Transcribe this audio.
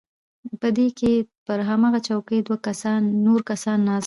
په دې کښې پر هماغه چوکۍ دوه نور کسان ناست وو.